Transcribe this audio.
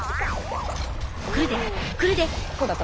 来るで来るで！